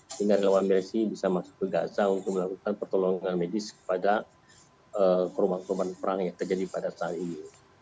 sehingga relawan mersi bisa masuk ke gaza untuk melakukan pertolongan medis kepada korban korban perang yang terjadi pada saat ini